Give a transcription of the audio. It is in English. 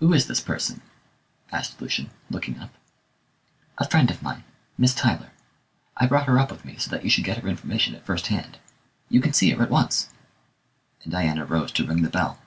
"Who is this person?" asked Lucian, looking up. "A friend of mine Miss Tyler. I brought her up with me, so that you should get her information at first hand. You can see her at once," and Diana rose to ring the bell.